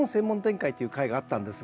回という回があったんですが。